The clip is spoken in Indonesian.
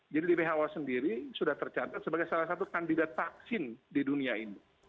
jadi di who sendiri sudah tercatat sebagai salah satu kandidat vaksin di dunia ini